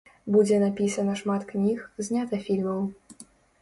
Будзе напісана шмат кніг, знята фільмаў.